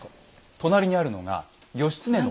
隣にあるのが義経の。